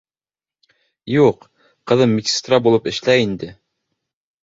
Юҡ, ҡыҙым медсестра булып эшләй инде.